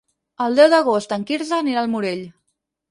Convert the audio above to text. El deu d'agost en Quirze anirà al Morell.